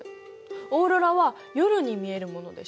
オーロラは夜に見えるものでしょ。